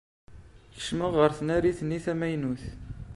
Kecmeɣ ɣer tnarit-nni tamaynut.